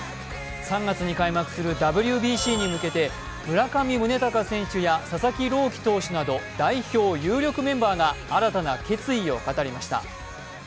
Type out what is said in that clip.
３月に開幕するＷＢＣに向けて村上宗隆選手や佐々木朗希投手など、代表有力メンバーが新たな決意を語りました。